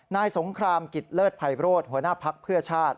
นายสงครามกิจเลิศภัยโรธหัวหน้าภักดิ์เพื่อชาติ